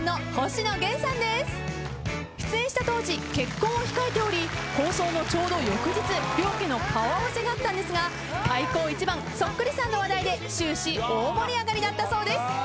出演した当時結婚を控えており放送のちょうど翌日両家の顔合わせがあったんですが開口一番そっくりさんの話題で終始大盛り上がりだったそうです。